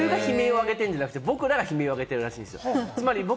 地球が悲鳴をあげてるんじゃなくて、僕らが悲鳴を上げてるらしいんですよ。